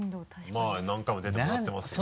まぁ何回も出てもらってますし。